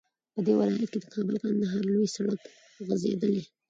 په دې ولايت كې د كابل- كندهار لوى سړك غځېدلى